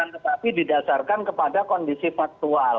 tetapi didasarkan kepada kondisi faktual